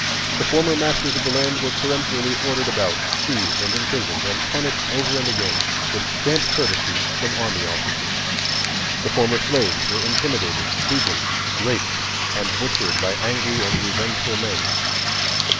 The former masters of the land were peremptorily ordered about, seized, and imprisoned, and punished over and again, with scant courtesy from army officers. The former slaves were intimidated, beaten, raped, and butchered by angry and revengeful men.